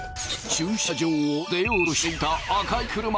駐車場を出ようとしていた赤い車。